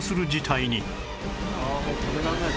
ああもう止められない。